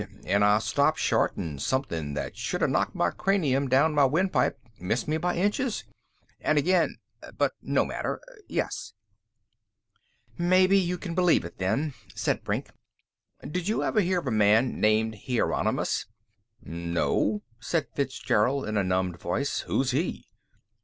And I stopped short an' something that should've knocked my cranium down my windpipe missed me by inches. An' again But no matter. Yes." "Maybe you can believe it, then," said Brink. "Did you ever hear of a man named Hieronymus?" "No," said Fitzgerald in a numbed voice. "Who's he?"